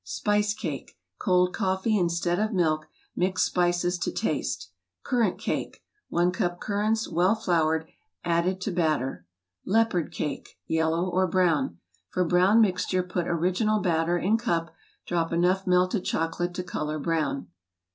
_ Spice Cake Cold coffee instead of milk, mixed spices to taste. _ Currant Cake i cup currants, well floured, added to bat¬ ter. _ Leopard Cake (Yellow or Brown) For brown mixture put original batter in cup, drop enough melted chocolate to color brown.